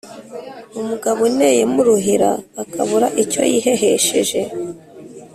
Umugabo uneye mu ruhira akabura icyo yihehesheje